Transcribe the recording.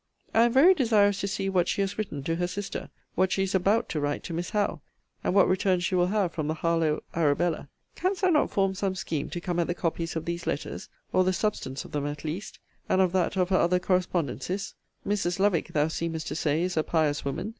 I am very desirous to see what she has written to her sister; what she is about to write to Miss Howe; and what return she will have from the Harlowe Arabella. Canst thou not form some scheme to come at the copies of these letters, or the substance of them at least, and of that of her other correspondencies? Mrs. Lovick, thou seemest to say, is a pious woman.